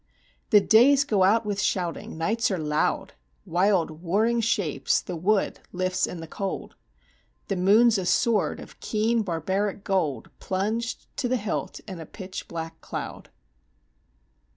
The days go out with shouting ; nights are loud ; Wild, warring shapes the wood lifts in the cold; The moon's a sword of keen, barbaric gold, Plunged to the hilt into a pitch black cloud.